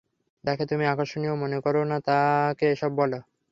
যাকে তুমি আকর্ষণীয় মনে কর না তাকে এসব বল।